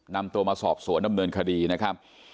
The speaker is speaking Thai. นำตัวมาสอบสวนดำเนินคดีนะครับ